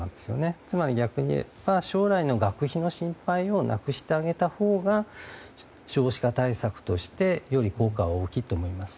つまり逆に言えば、将来の学費の心配をなくしてあげたほうが少子化対策としてより効果は大きいと思います。